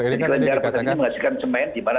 ini kan dikatakan ini menghasilkan cemen di mana